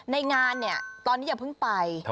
ในงานเนี่ยตอนนี้อย่าเพิ่งไป